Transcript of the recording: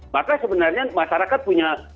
maka sebenarnya masyarakat punya